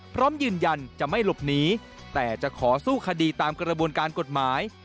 พร้อมยืนยันจะไม่หลบหนีแต่จะขอสู้คดีตามกระบวนการกฎหมาย